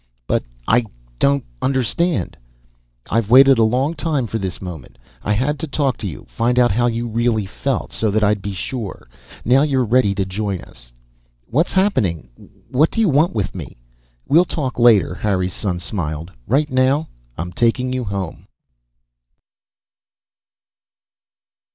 "But I don't understand " "I've waited a long time for this moment. I had to talk to you, find out how you really felt, so that I'd be sure. Now you're ready to join us." "What's happening? What do you want with me?" "We'll talk later." Harry's son smiled. "Right now, I'm taking you home."